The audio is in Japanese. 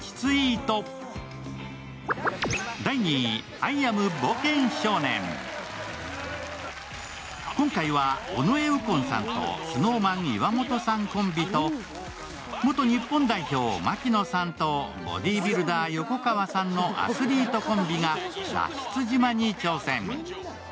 Ｔｗｉｔｔｅｒには今回は尾上右近さんとＳｎｏｗＭａｎ・岩本さんコンビと元日本代表・槙野さんとボディビルダー・横川さんのアスリートコンビが脱出島に挑戦。